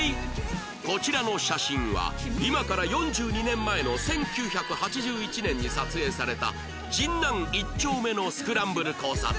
こちらの写真は今から４２年前の１９８１年に撮影された神南１丁目のスクランブル交差点